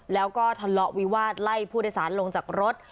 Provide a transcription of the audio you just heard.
แล้วก็ทะเลาะวิวาสไล่ผู้โดยสารลงจากรถ